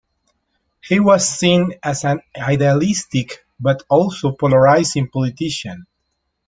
He was seen as an idealistic, but also polarizing politician.